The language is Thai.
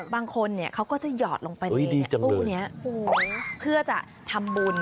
บางคนเขาก็จะหยอดลงไปในตู้นี้เพื่อจะทำบุญ